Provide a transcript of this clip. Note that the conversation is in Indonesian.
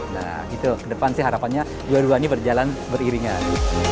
nah itu ke depan sih harapannya dua duanya berjalan beriringan